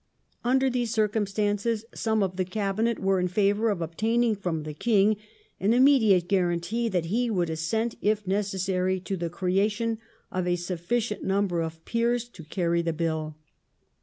Under these circumstances some of the Cabinet were in favour of obtaining from the King an immediate guarantee that he would assent if necessary to the creation of a sufficient number of Peers to carry the Bill.